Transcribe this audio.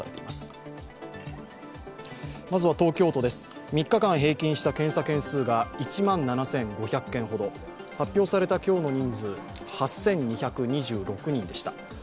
まずは東京都です、３日間平均した検査件数が１万７５００件ほど発表された今日の人数８２２６人でした。